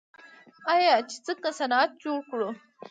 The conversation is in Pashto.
آیا چې څنګه صنعت جوړ کړو؟